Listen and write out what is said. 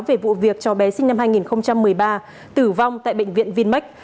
về vụ việc cho bé sinh năm hai nghìn một mươi ba tử vong tại bệnh viện vinmec